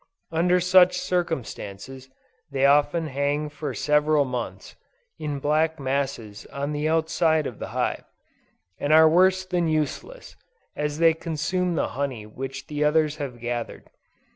Under such circumstances, they often hang for several months, in black masses on the outside of the hive; and are worse than useless, as they consume the honey which the others have gathered.